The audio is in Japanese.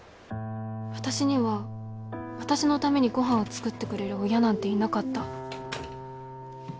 私には私のためにご飯を作ってくれる親なんていなかった。